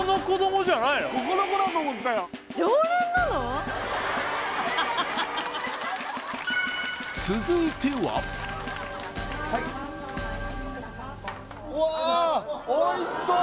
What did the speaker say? ここの子だと思ったよハハハハハわあおいしそう！